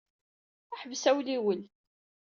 Ḥbes awliwel.